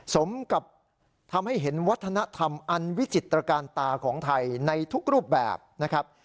สมกับทำให้เห็นวัฒนธรรมอันวิจิตรการตาของไทยในทุกรูปแบบนะครับ